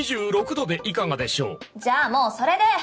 じゃあもうそれで！